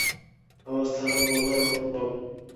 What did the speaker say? অবস্থা বলো, বব!